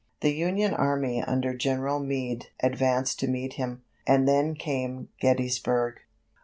The Union army under General Meade advanced to meet him, and then came Gettysburg.